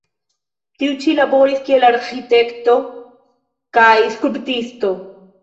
Tiu ĉi laboris kiel arĥitekto kaj skulptisto.